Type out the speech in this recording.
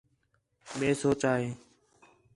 مئے سوچا ہے